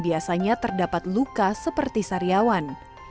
biasanya terdapat luka seperti sariawan